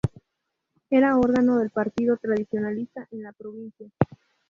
Era órgano del partido tradicionalista en la provincia.